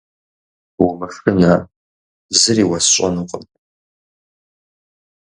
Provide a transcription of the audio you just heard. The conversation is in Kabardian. Умышынэ, зыри уэсщӏэнукъым.